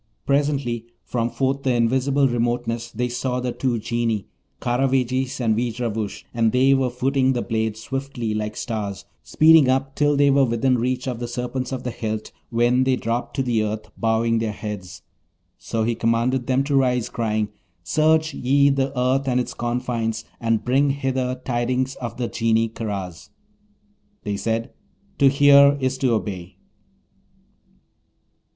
Presently, from forth the invisible remoteness they saw the two Genii, Karavejis and Veejravoosh, and they were footing the blade swiftly, like stars, speeding up till they were within reach of the serpents of the hilt, when they dropped to the earth, bowing their heads; so he commanded them to rise, crying, 'Search ye the earth and its confines, and bring hither tidings of the Genie Karaz.' They said, 'To hear is to obey.'